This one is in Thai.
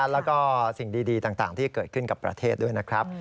แล้วก็สิ่งดีต่างที่เกิดขึ้นกับประเทศด้วยนะครับ